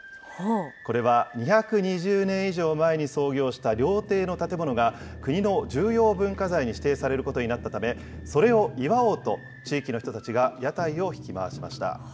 これは２２０年以上前に創業した料亭の建物が、国の重要文化財に指定されることになったため、それを祝おうと、地域の人たちが屋台を引き回しました。